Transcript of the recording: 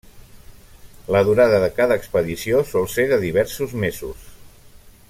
La durada de cada expedició sol ser de diversos mesos.